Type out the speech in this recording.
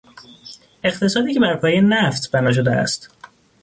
اقتصادی که بر پایهی نفت بنا شده است